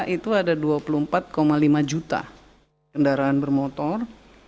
itu ada dua puluh empat lima juta kendaraan bermotor